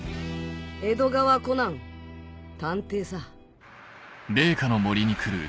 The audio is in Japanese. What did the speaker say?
江戸川コナン探偵さ。